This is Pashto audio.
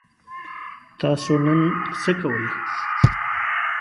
تاسو نن څه کوئ؟